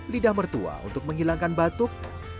lidah mertua untuk menghilangkan batuk